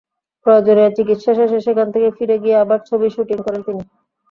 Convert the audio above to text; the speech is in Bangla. প্রয়োজনীয় চিকিৎসা শেষে সেখান থেকে ফিরে গিয়ে আবার ছবির শুটিং করেন তিনি।